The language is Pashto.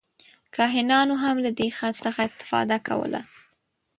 کاهنانو هم له دې خط څخه استفاده کوله.